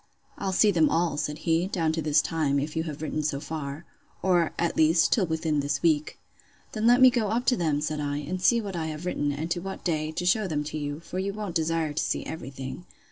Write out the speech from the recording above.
I'll see them all, said he, down to this time, if you have written so far:—Or, at least, till within this week.—Then let me go up to them, said I, and see what I have written, and to what day, to shew them to you; for you won't desire to see every thing.